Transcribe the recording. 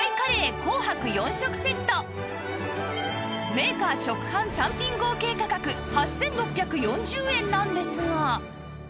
メーカー直販単品合計価格８６４０円なんですが